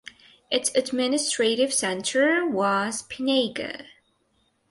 Its administrative centre was Pinega.